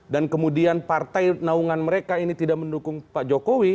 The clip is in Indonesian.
dan kemudian partai naungan mereka ini tidak mendukung pak jokowi